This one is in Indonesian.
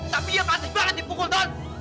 tapi dia pasti banget dipukul ton